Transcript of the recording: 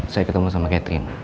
saya ketemu sama catherine